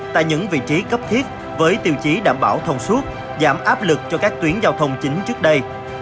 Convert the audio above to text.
tại những vị trí cấp thiết với tiêu chí đảm bảo thông suốt giảm áp lực cho các tuyến giao thông chính trước đây